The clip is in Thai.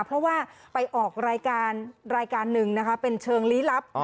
เพราะว่าไปออกรายการรายการหนึ่งนะคะเป็นเชิงลี้ลับ